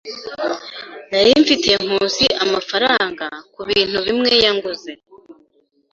Nari mfitiye Nkusi amafaranga kubintu bimwe yanguze.